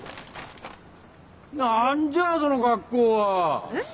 ・何じゃあその格好は！えっ？